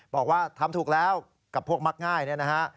บอกว่าทำถูกแล้วกับพวกมักง่ายเนี่ยนะฮะ